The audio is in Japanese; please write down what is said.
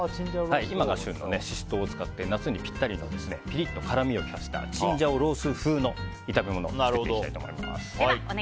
今が旬のシシトウを使って夏にぴったりのピリッと辛みを利かせたチンジャオロースー風の炒め物を作っていきたいと思います。